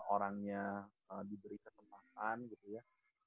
orangnya diberi kesempatan gitu ya